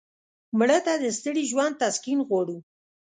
مړه ته د ستړي ژوند تسکین غواړو